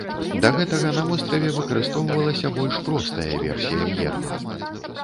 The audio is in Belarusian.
Да гэтага на востраве выкарыстоўвалася больш простая версія герба.